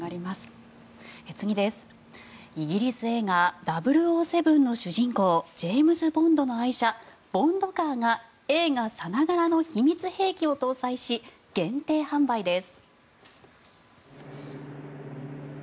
イギリス映画「００７」の主人公ジェームズ・ボンドの愛車ボンドカーが映画さながらの秘密兵器を搭載し限定販売です。